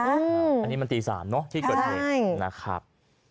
อันนี้มันตี๓เนอะที่เกิดเหตุนะครับ